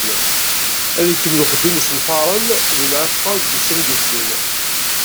Ad ikemmel uxeddim n yisenfaren, deg Mɛetqa, deg wussan i d-iteddun.